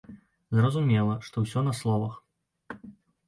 Зразумела, што ўсё на словах.